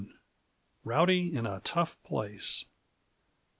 Rowdy in a Tough Place.